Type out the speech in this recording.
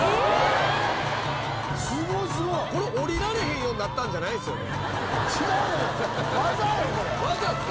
これ降りられへんようになったんじゃないですよね？